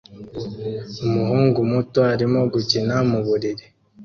Umuhungu muto arimo gukina mu buriri